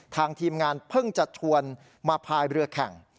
ทีมงานเพิ่งจะชวนมาพายเรือแข่ง